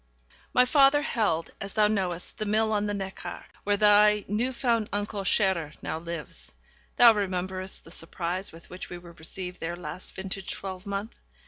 My father held, as thou knowest, the mill on the Neckar, where thy new found uncle, Scherer, now lives. Thou rememberest the surprise with which we were received there last vintage twelvemonth.